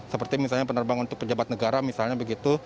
seperti misalnya penerbangan untuk pejabat negara misalnya begitu